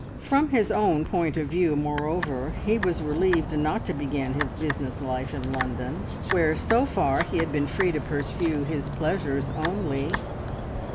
From his own point of view, moreover, he was relieved not to begin his business life in London, where so far he had been free to pursue his pleasures only.